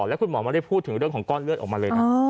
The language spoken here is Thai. แล้วคุณหมอไม่ได้พูดถึงเรื่องของก้อนเลือดออกมาเลยนะ